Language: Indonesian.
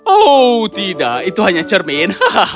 oh tidak itu hanya cermin